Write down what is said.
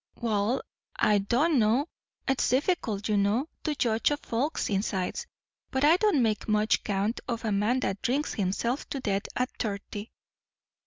"Wall, I don' know; it's difficult, you know, to judge of folk's insides; but I don't make much count of a man that drinks himself to death at thirty."